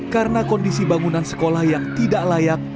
karena kondisi bangunan sekolah yang tidak layak